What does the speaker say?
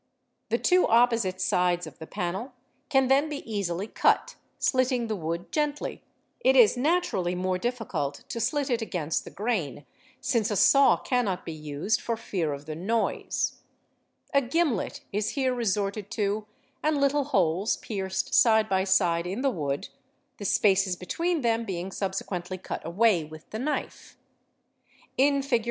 The two opposite sides of the panel can then be easily cut, slit ting the wood gently; it is naturally more difficult to slit it against the _ grain since a saw cannot be used for fear of the noise: a gimlet is here resorted to and little holes pierced side by side —— in the wood, the spaces between them being 7} —o subsequently cut away with the knife: in Fig.